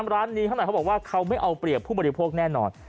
ร้านนี้ข้างในเขาบอกว่าเขาไม่เอาเปรียบผู้บริโภคแน่นอน